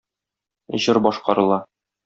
Җыр башкарыла.